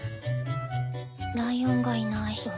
ライオンがいない。